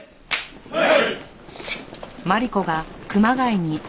はい！